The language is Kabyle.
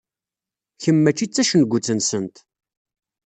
Kemm mačči d tacengut-nsent.